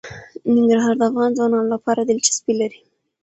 ننګرهار د افغان ځوانانو لپاره دلچسپي لري.